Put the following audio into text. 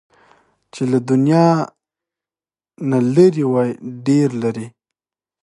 چې له دې دنيا نه لرې وای، ډېر لرې